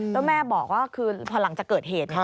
แล้วแม่บอกว่าคือพอหลังจากเกิดเหตุ